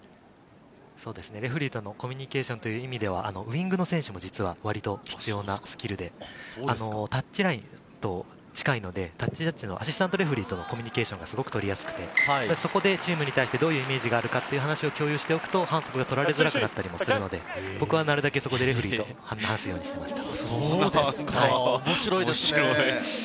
レフェリーとのコミュニケーションという意味では、ウイングの選手も実は割と必要なスキルで、タッチラインと近いので、アシスタントレフェリーとのコミュニケーションがすごく取りやすくて、そこでチームに対して、どういうイメージがあるかっていう話を共有しておくと、反則が取られづらくなったりするんで、僕はそこでレフェリーと話をするようにしていました。